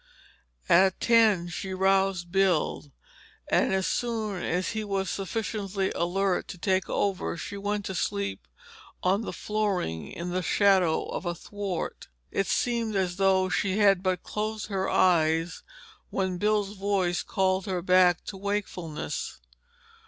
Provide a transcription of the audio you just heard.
At ten she roused Bill, and as soon as he was sufficiently alert to take over she went to sleep on the flooring in the shadow of a thwart. It seemed as though she had but closed her eyes when Bill's voice called her back to wakefulness.